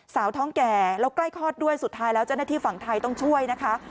สาวท้องแก่แล้วใกล้คลอดด้วยสุดท้ายแล้วเจ้าหน้าที่ฝั่งไทยต้องช่วยนะคะ